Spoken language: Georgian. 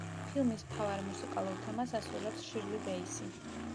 ფილმის მთავარ მუსიკალურ თემას ასრულებს შირლი ბეისი.